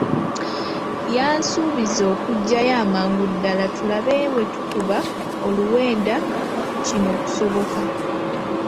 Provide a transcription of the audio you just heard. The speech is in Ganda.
Yansuubiza okujjayo amangu ddala tulabe bwe tukuba oluwenda kino okusoboka.